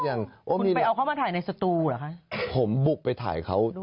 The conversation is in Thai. คุณไปเอาเขามาถ่ายในสตูเหรอคะผมบุกไปถ่ายเขา